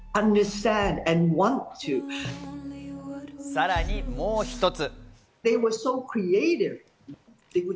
さらにもう一つ。